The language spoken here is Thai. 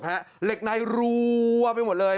เหล็กในรัวไปหมดเลย